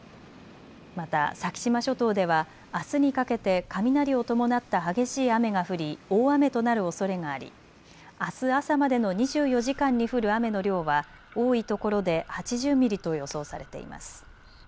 また先島諸島ではあすにかけて雷を伴った激しい雨が降り大雨となるおそれがありあす朝までの２４時間に降る雨の量は多いところで８０ミリと予想されています。